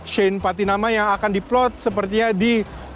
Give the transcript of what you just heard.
shane patinama yang akan diplot sepertinya di